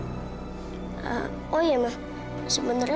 ya jadi kamu nggak boleh takut kalau ketemu mama dewi